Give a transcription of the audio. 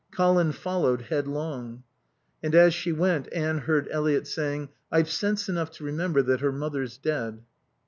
Colin followed headlong. And as she went Anne heard Eliot saying, "I've sense enough to remember that her mother's dead."